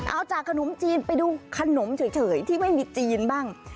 เอาจากขนมจีนไปดูขนมเฉยที่ไม่มีจีนบ้าง